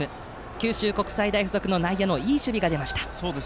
九州国際大付属の内野のいい守備が出ました。